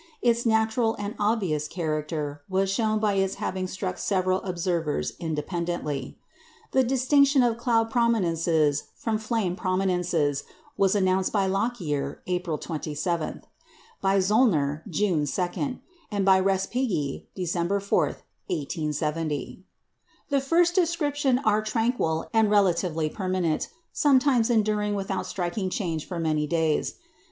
Its natural and obvious character was shown by its having struck several observers independently. The distinction of "cloud prominences" from "flame prominences" was announced by Lockyer, April 27; by Zöllner, June 2; and by Respighi, December 4, 1870. The first description are tranquil and relatively permanent, sometimes enduring without striking change for many days.